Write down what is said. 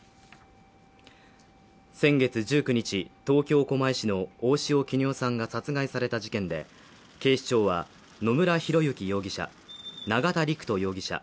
先月１９日、東京狛江市の大塩衣与さんが殺害された事件で、警視庁は、野村広之容疑者永田陸人容疑者。